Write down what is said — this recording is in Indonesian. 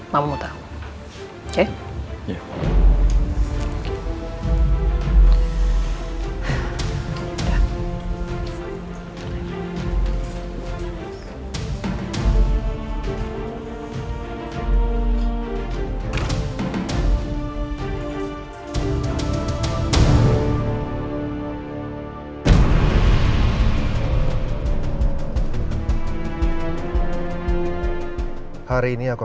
mama mau tau